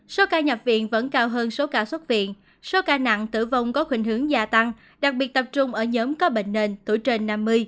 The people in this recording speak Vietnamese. số ca nhập viện vẫn cao hơn số ca xuất viện số ca nặng tử vong có khuyến hướng gia tăng đặc biệt tập trung ở nhóm có bệnh nền tuổi trên năm mươi